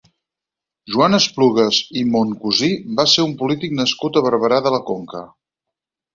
Joan Esplugas i Moncusí va ser un polític nascut a Barberà de la Conca.